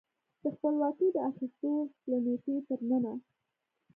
د خپلواکۍ د اخیستو له نېټې تر ننه